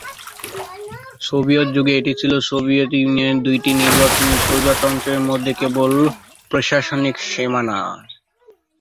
Soviet যুগে এটি ছিল সোভিয়েত ইউনিয়নের দুটি নির্বাচনী প্রজাতন্ত্রের মধ্যে কেবল প্রশাসনিক সীমানা।